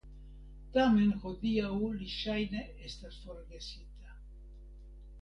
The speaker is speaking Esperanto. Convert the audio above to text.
Tamen hodiaŭ li ŝajne estas forgesita.